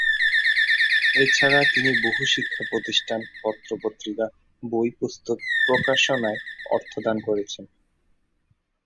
এছাড়া তিনি বহু শিক্ষা প্রতিষ্ঠান, পত্র-পত্রিকা, বই পুস্তক প্রকাশনায় অর্থ দান করেছেন।